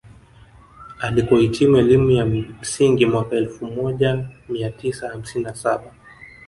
Alikohitimu elimu ya msingi mwaka elfu moja mia tisa hamsini na saba